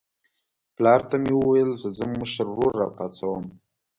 پلار ته مې وویل زه ځم مشر ورور راپاڅوم.